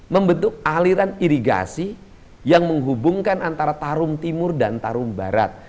membentuk aliran irigasi yang menghubungkan antara tarum timur dan tarum barat